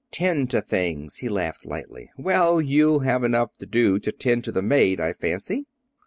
"'Tend to things,'" he laughed lightly. "Well, you'll have enough to do to tend to the maid, I fancy.